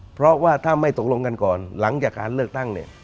เพราะว่าถ้าไม่ตกลงกันก่อนหลังจากการเลือกตั้งเนี่ย